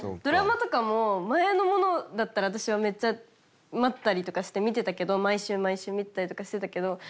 ドラマとかも前のものだったら私はめっちゃ待ったりとかして見てたけど毎週毎週見てたりとかしてたけど。